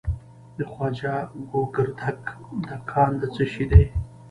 د خواجه ګوګردک کان د څه شي دی؟